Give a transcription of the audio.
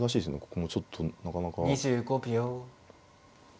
ここもちょっとなかなか。